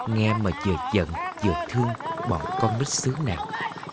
nghe mà giờ giận giờ thương bọn con nít xứ nàng